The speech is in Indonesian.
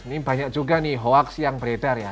ini banyak juga nih hoaks yang beredar ya